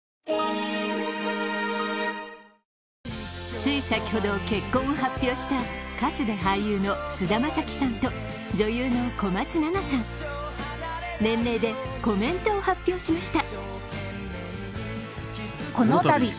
つい先ほど、結婚を発表した歌手で俳優の菅田将暉さんと女優の小松菜奈さん、連名でコメントを発表しました。